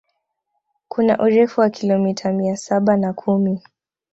Kuna urefu wa kilomita mia saba na kumi